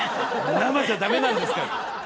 「生じゃダメなんですか？」